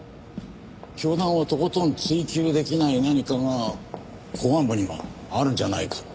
教団をとことん追及できない何かが公安部にはあるんじゃないか。